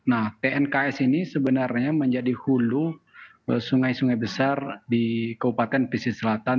nah tnks ini sebenarnya menjadi hulu sungai sungai besar di kabupaten pisir selatan